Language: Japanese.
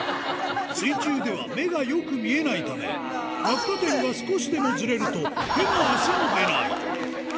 水中では目がよく見えないため、落下点が少しでもずれると、手も足も出ない。